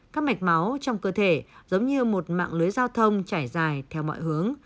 các mạch máu trong cơ thể giống như một mạng lưới giao thông trải dài theo mọi hướng